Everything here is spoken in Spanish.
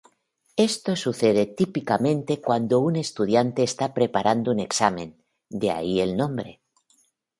Esto sucede típicamente cuando un estudiante está preparando un examen, de ahí el nombre.